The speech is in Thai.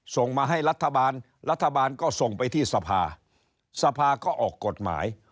ส่งมาให้รัฐบาลรัฐบาลก็ส่งไปที่สภาสภาก็ออกกฎหมาย